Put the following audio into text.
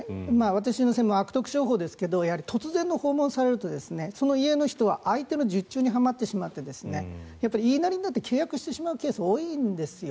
私の専門は悪徳商法ですが突然の訪問をされるとその家の人は相手の術中にはまってしまって言いなりになって契約してしまうケースが多いんです。